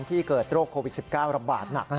ที่เกิดโรคโควิด๑๙ระบาดหนัก